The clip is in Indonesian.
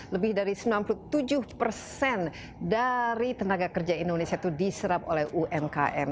lebih dari sembilan puluh tujuh persen dari tenaga kerja indonesia itu diserap oleh umkm